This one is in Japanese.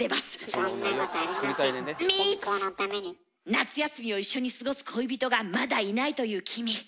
夏休みを一緒に過ごす恋人がまだいないという君。